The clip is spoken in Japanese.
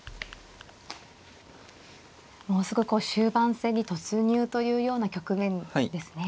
もうすぐ終盤戦に突入というような局面ですね。